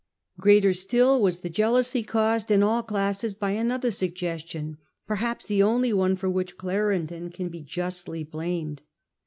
Greater still was the jealousy caused in all classes by another suggestion, perhaps the only one for which Suggests Clarendon can be justly blamed.